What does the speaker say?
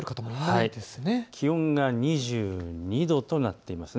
気温が２２度となっています。